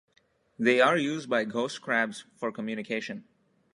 They are used by ghost crabs for communication.